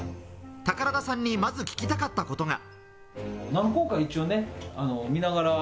宝田さんにまずい聞きたかったことが。